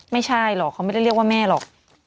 ไม่ใช่หรอกเขาไม่ได้เรียกว่าแม่หรอก